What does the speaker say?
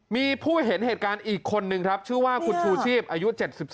มีผู้เห็นเหตุการณ์อีกคนนึงครับชื่อว่าคุณชูชีพอายุ๗๒